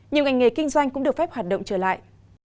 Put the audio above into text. nhiều ngành nghề kinh doanh cũng được phép hoạt động trở lại